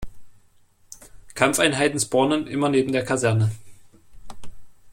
Kampfeinheiten spawnen immer neben der Kaserne.